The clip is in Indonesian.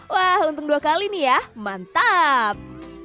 wah untung dua kali nih ya mantap